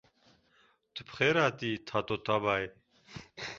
Tu bi xêr hatî Tatoebayê!